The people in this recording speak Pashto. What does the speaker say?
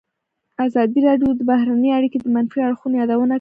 ازادي راډیو د بهرنۍ اړیکې د منفي اړخونو یادونه کړې.